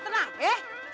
tenang tenang tenang eh